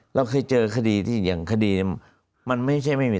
เราเคยเจอคดีที่อย่างคดี